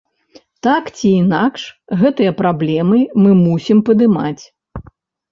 Так ці інакш, гэтыя праблемы мы мусім падымаць.